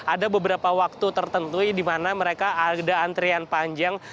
ada beberapa waktu tertentu di mana mereka ada antrian panjang